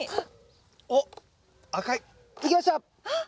おっ赤い。いきました！